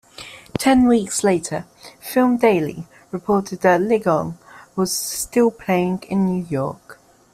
Ten weeks later "Film Daily" reported that "Legong" was still playing in New York.